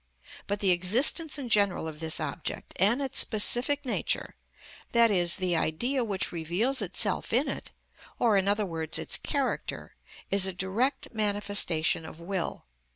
But the existence in general of this object, and its specific nature, i.e., the Idea which reveals itself in it, or, in other words, its character, is a direct manifestation of will.